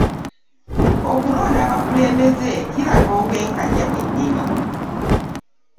Okulonda abakulembeze kiraga obwenkanya bwennyini.